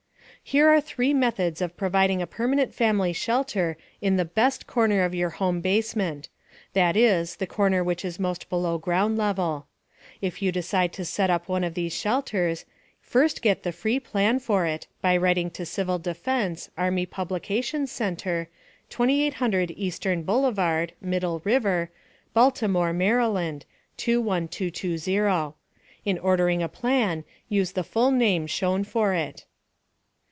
Here are three methods of providing a permanent family shelter in the "best" corner of your home basement that is, the corner which is most below ground level. If you decide to set up one of these shelters, first get the free plan for it by writing to Civil Defense, Army Publications Center, 2800 Eastern Blvd. (Middle River), Baltimore, Md. 21220. In ordering a plan, use the full name shown for it.